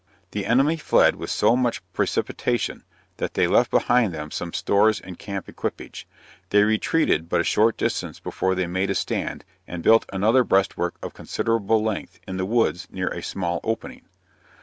The enemy fled with so much precipitation, that they left behind them some stores and camp equippage. They retreated but a short distance before they made a stand, and built another breastwork of considerable length, in the woods, near a small opening.